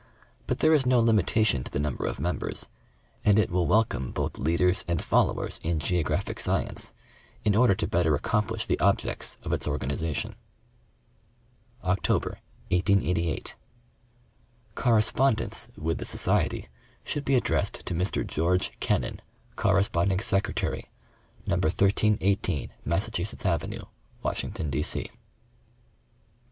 But there is no limitation to the number of members, and it will welcome both leaders and followers in geographic science, in order to better accomplish the objects of its organization. October, 1888. Correspondence with the Society should be addressed to Mr. George Kennan, Corresponding Secretary, No. 1318 Massa chusetts Avenue, Washington, D. C.